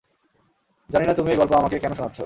জানি না তুমি এই গল্প আমাকে কেন শোনাচ্ছো।